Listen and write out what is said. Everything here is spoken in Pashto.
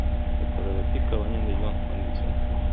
د ټرافیک قوانین د ژوند خوندي ساتي.